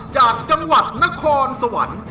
จากจังหวัดนครสวรรค์